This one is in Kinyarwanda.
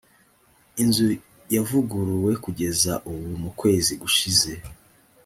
inzu yavuguruwe kugeza ubu mukwezi gushize.